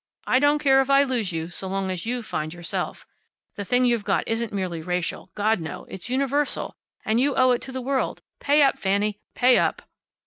I don't care if I lose you, so long as you find yourself. The thing you've got isn't merely racial. God, no! It's universal. And you owe it to the world. Pay up, Fanny! Pay up!"